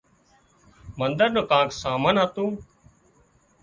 منۮر نُون ڪانڪ سامان هتون